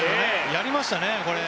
やりましたね、これ。